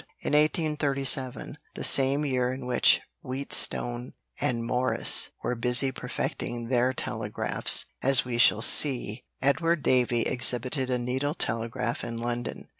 In 1837, the same year in which Wheatstone and Morse were busy perfecting their telegraphs, as we shall see, Edward Davy exhibited a needle telegraph in London.